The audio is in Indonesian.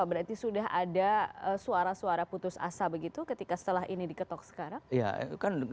berarti sudah ada suara suara putus asa begitu ketika setelah ini diketok sekarang